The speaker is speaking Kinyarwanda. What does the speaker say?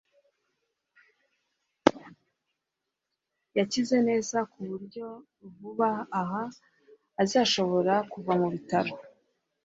yakize neza, ku buryo vuba aha azashobora kuva mu bitaro